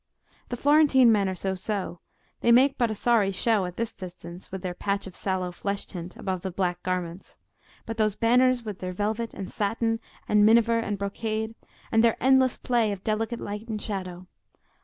"The Florentine men are so so; they make but a sorry show at this distance with their patch of sallow flesh tint above the black garments; but those banners with their velvet, and satin, and minever, and brocade, and their endless play of delicate light and shadow!